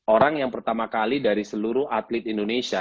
orang yang pertama kali dari seluruh atlet indonesia